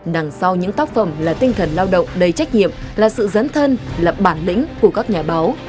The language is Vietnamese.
đằng sau những tác phẩm là tinh thần lao động đầy trách nhiệm là sự dấn thân là bản lĩnh của các nhà báo